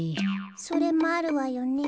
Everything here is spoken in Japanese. それもあるわよね。